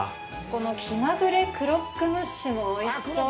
この気まぐれクロックムッシュもおいしそう。